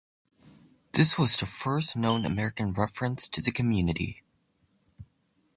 This was the first known "American" reference to the community.